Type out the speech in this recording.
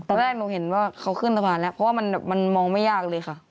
ตอนแรกหนูเห็นว่าเขาขึ้นสะพานแล้วเพราะว่ามันมองไม่ยากเลยค่ะ